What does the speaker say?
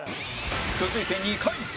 続いて２回戦